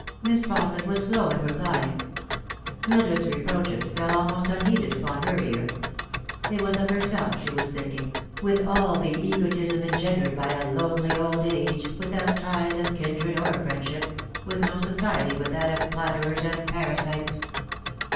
Miss Fausset was slow in replying. Mildred's reproaches fell almost unheeded upon her ear. It was of herself she was think Like a Tale that is Told. 347 ing, with all the egotism engendered by a lonely old age, without ties of kindred or friendship, with no society but that of flatterers and parasites.